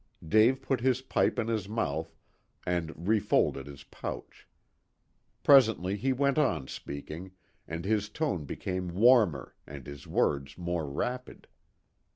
Dave put his pipe in his mouth and refolded his pouch. Presently he went on speaking, and his tone became warmer, and his words more rapid.